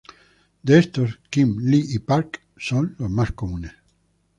De estos, "Kim", "Lee", y "Park" son los más comunes.